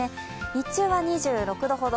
日中は２６度ほど。